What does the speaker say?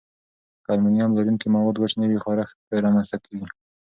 که المونیم لرونکي مواد وچ نه وي، خارښت رامنځته کېږي.